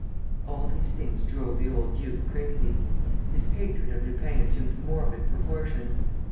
All these things drove the old duke crazy. His hatred of Lupin assumed morbid proportions.